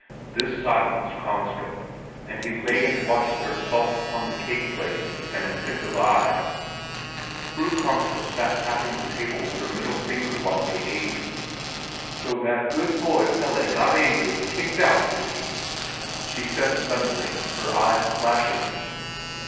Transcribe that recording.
This silenced Kongstrup, and he lay and watched their assault upon the cake plate with an attentive eye. Fru Kongstrup sat tapping the table with her middle finger while they ate. "So that good boy Pelle got angry and kicked out, did he?" she said suddenly, her eyes flashing.